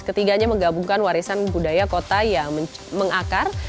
ketiganya menggabungkan warisan budaya kota yang mengakar